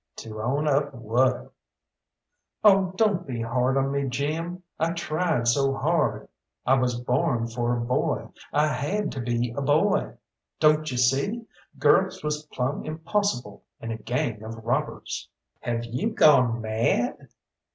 "To own up what?" "Oh, don't be hard on me, Jim! I tried so hard! I was born for a boy, I had to be a boy. Don't you see, girls was plumb impossible in a gang of robbers!" "Have you gone mad?"